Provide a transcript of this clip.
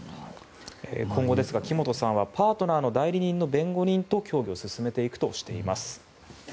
今後ですが木本さんはパートナーの代理人の弁護人と協議を進めていくとしています。